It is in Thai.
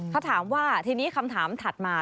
ถ้าถามว่าทีนี้คำถามถัดมา